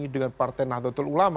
dengan partai nahdlatul ulama